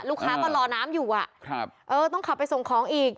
ลูกค้าก็รอน้ำอยู่อ่ะครับเออต้องขับไปส่งของอีก